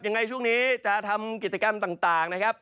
ยังไงช่วงนี้จะทำกิจกรรมต่างนะครับ